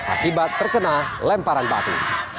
akibat terkena lemparan batu